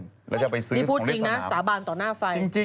นี่พูดจริงนะสาบานต่อหน้าไฟ